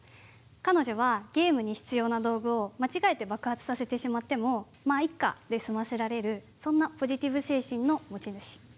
彼女は、ゲームに必要な道具を間違えて爆発させてしまっても「まあ、いっか」で済ませられるそんなポジティブ精神の持ち主。